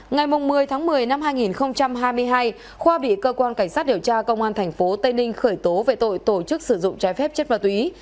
ngày một mươi tháng một mươi năm hai nghìn hai mươi hai khoa bị cơ quan cảnh sát điều tra công an tp tây ninh khởi tố về tội tổ chức sử dụng trái phép chất ma túy